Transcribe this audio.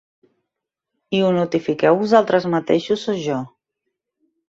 I ho notifiqueu vosaltres mateixos o jo?